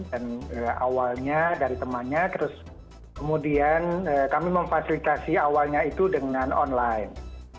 dan awalnya dari temannya terus kemudian kami memfasilitasi awalnya itu dengan online